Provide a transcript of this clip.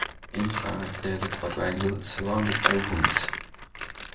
Inside there is a quadrangle surrounded by rooms.